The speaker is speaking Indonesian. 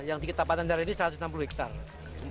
yang kita panen dari ini satu ratus enam puluh hektare